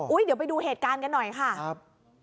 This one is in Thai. เดี๋ยวไปดูเหตุการณ์กันหน่อยค่ะครับ